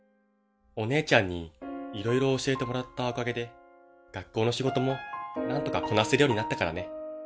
お姉ちゃんにいろいろ教えてもらったおかげで学校の仕事もなんとかこなせるようになったからね。